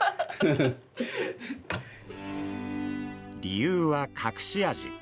理由は隠し味。